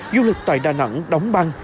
du lịch tại đà nẵng đóng băng